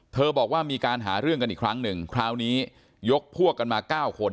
บอกว่ามีการหาเรื่องกันอีกครั้งหนึ่งคราวนี้ยกพวกกันมา๙คน